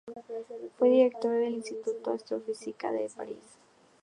Fue director del Instituto de Astrofísica de París.